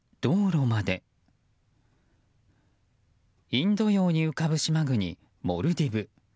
インド洋に浮かぶ島国モルディブ。